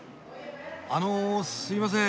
あのすいません。